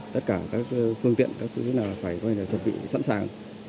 tất cả các phương tiện các thứ như là phải chuẩn bị sẵn sàng